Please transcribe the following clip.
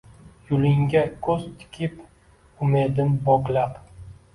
Yulinga kuz tikib umedim boglab